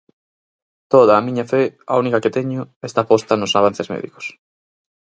Toda a miña fe, a única que teño, está posta nos avances médicos.